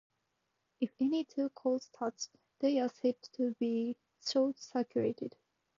If any two coils touch, they are said to be short-circuited.